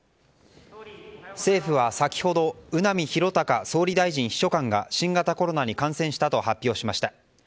政府は、先ほど宇波弘貴総理大臣秘書官が新型コロナに感染したと発表しました。